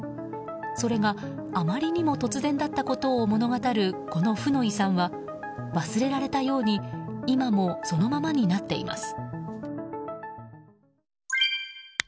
それが、あまりにも突然だったことを物語るこの負の遺産は忘れられたように今もそのままになっています。